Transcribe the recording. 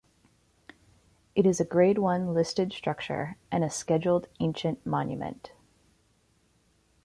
It is a grade one listed structure and a Scheduled Ancient Monument.